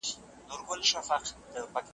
او محتاجه د لاسونو د انسان دي .